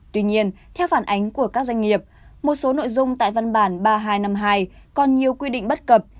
tuy nhiên theo phản ánh của các doanh nghiệp một số nội dung tại văn bản ba nghìn hai trăm năm mươi hai còn nhiều quy định bất cập